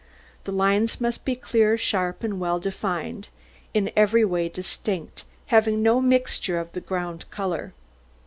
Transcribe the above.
The lines must be clear, sharp, and well defined, in every way distinct, having no mixture of the ground colour.